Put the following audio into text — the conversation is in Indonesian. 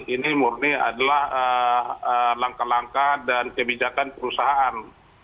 ini murni adalah langkah langkah dan kebijakan perusahaan